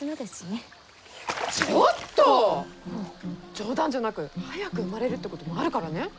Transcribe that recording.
冗談じゃなく早く生まれるってこともあるからね！